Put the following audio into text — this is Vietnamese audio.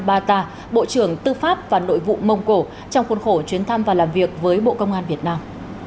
bộ trưởng tô lâm bộ trưởng tư pháp và nội vụ mông cổ trong khuôn khổ chuyến thăm và làm việc với bộ công an việt nam